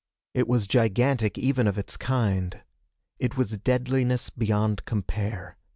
It was gigantic even of its kind. It was deadliness beyond compare.